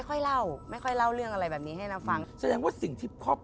คมคมคมคม